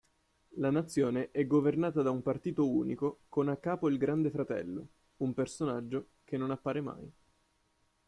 La nazione è governata da un partito unico con a capo Il Grande Fratello, un personaggio che non appare mai.